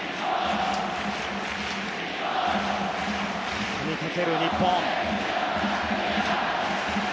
たたみかける日本。